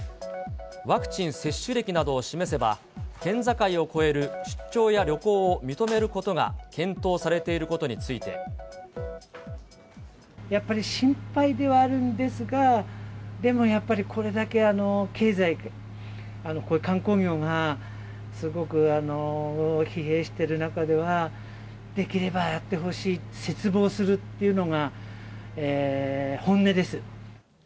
ワクチン接種歴などを示せば、県境を越える出張や旅行を認めることが検討されていることについやっぱり心配ではあるんですが、でもやっぱり、これだけ経済、観光業がすごく疲弊している中では、できればやってほしい、切望するっていうのが本音です。